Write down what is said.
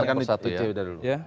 kita dengarkan satu satu ya